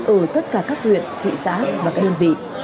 ở tất cả các huyện thị xã và các địa phương